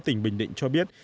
tỉnh bình định cho biết